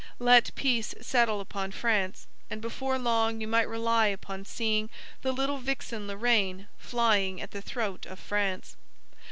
Let peace settle upon France, and before long you might rely upon seeing the little vixen Lorraine flying at the throat of France.